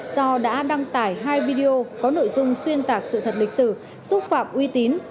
do đã đăng tải hai video có nội dung xuyên tạc sự thật lịch sử xúc phạm uy tín